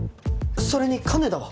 それに金田は。